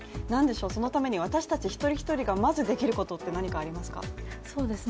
そのために私たち一人一人がまずできることって何かありますか？